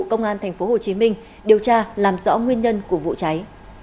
công an tp hcm điều tra làm rõ nguyên nhân của vụ cháy